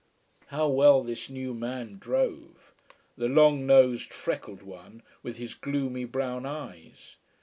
How well this new man drove! the long nosed, freckled one with his gloomy brown eyes.